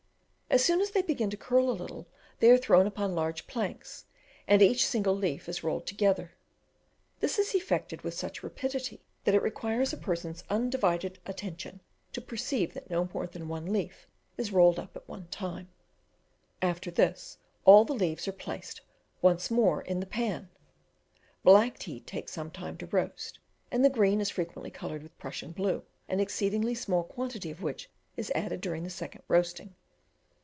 As soon as they begin to curl a little, they are thrown upon large planks, and each single leaf is rolled together. This is effected with such rapidity, that it requires a person's undivided attention to perceive that no more than one leaf is rolled up at a time. After this, all the leaves are placed once more in the pan. Black tea takes some time to roast, and the green is frequently coloured with Prussian blue, an exceedingly small quantity of which is added during the second roasting.